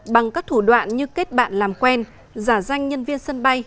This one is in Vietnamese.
bằng các thủ đoạn như kết bạn làm quen giả danh nhân viên sân bay